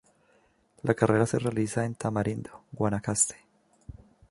La carrera se realiza en Tamarindo, Guanacaste.